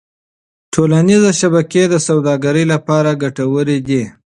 ټولنيزې شبکې د سوداګرۍ لپاره ګټورې دي.